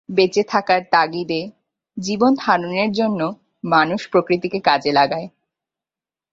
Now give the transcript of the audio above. বেঁচে থাকার তাগিদে, জীবনধারনের জন্য মানুষ প্রকৃতিকে কাজে লাগায়।